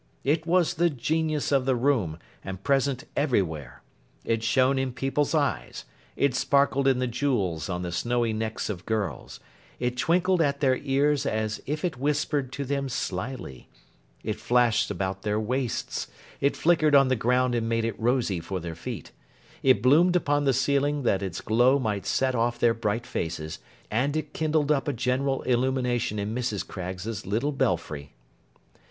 It was the Genius of the room, and present everywhere. It shone in people's eyes, it sparkled in the jewels on the snowy necks of girls, it twinkled at their ears as if it whispered to them slyly, it flashed about their waists, it flickered on the ground and made it rosy for their feet, it bloomed upon the ceiling that its glow might set off their bright faces, and it kindled up a general illumination in Mrs. Craggs's little belfry.